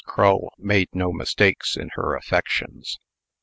Crull made no mistakes in her affections.